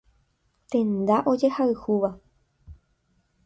Tenda ojehayhúva.